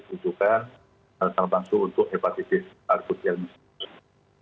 yang membutuhkan salbansu untuk hepatitis akut yang miskin